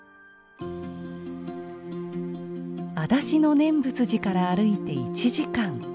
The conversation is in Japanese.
あだし野念仏寺から歩いて１時間。